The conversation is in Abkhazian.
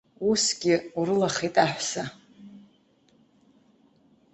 Усгьы урылахеит аҳәса.